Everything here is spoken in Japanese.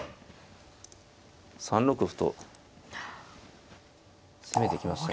３六歩と攻めていきましたね。